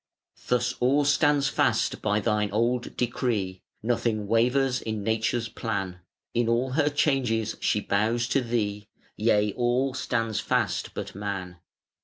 Thus all stands fast by Thine old decree, Nothing wavers in Nature's plan: In all her changes she bows to Thee: Yea, all stands fast but Man.